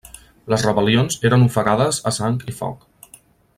Les rebel·lions eren ofegades a sang i foc.